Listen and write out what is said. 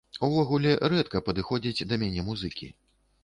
Увогуле, рэдка падыходзяць да мяне музыкі.